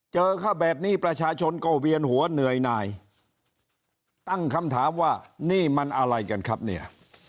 เจอเข้าแบบนี้ประชาชนก็เวียนหัวเหนื่อยนายตั้งคำถามว่านี่มันอะไรกันครับเนี่ย